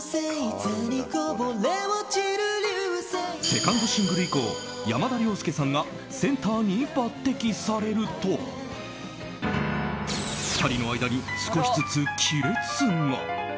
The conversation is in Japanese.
セカンドシングル以降山田涼介さんがセンターに抜擢されると２人の間に少しずつ亀裂が。